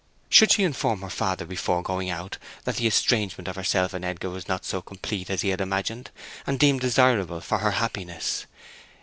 Should she inform her father before going out that the estrangement of herself and Edgar was not so complete as he had imagined, and deemed desirable for her happiness?